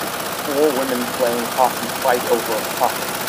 Four women playing hockey fight over a puck.